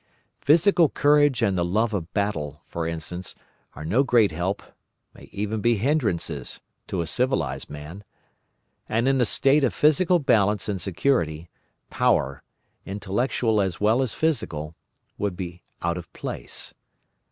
Physical courage and the love of battle, for instance, are no great help—may even be hindrances—to a civilised man. And in a state of physical balance and security, power, intellectual as well as physical, would be out of place.